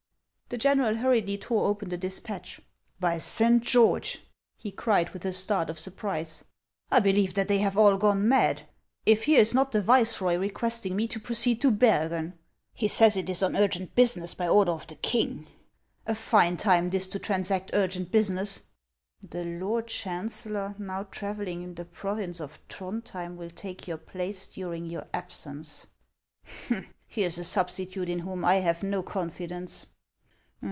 The general hurriedly tore open the despatch. " By Saint George !" he cried, with a start of surprise, " T believe that they have all gone mad ! If here is not the viceroy requesting me to proceed to Bergen. He says it is on urgent business, by order of the king. A fine time this to transact urgent business !' The lord chancellor, now travelling in the province of Throndhjein, will take your place during your absence.' Here 's a substitute in whom 1 have no confidence